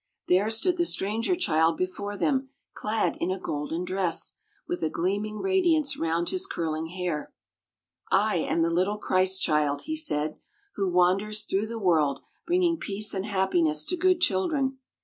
There stood the stranger child before them clad in a golden dress, with a gleaming radiance round his curling hair. "I am the little Christ child," he said, "who wanders through the world bringing peace and happiness to good children.